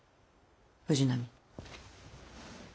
藤波。